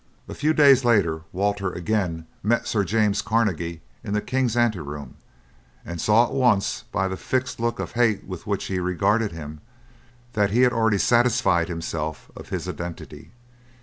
A few days later Walter again met Sir James Carnegie in the king's anteroom, and saw at once, by the fixed look of hate with which he had regarded him, that he had already satisfied himself of his identity.